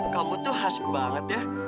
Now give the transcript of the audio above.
kamu tuh khas banget ya